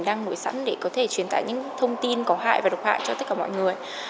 đang nổi sẵn để có thể truyền tải những thông tin có hại và độc hại cho tất cả mọi người